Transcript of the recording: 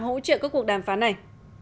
hỗ trợ các cuộc đàm phán này